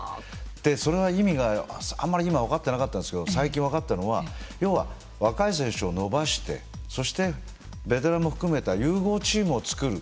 それは意味があんまり分かってなかったんですけれども最近分かったのは要は若い選手を伸ばしてそして、ベテランも含めた融合チームを作る。